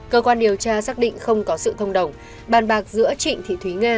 cơ quan điều tra xác định không có sự thông đồng bàn bạc giữa trịnh thị thúy nga